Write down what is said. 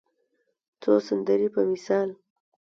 څو سندرې په مثال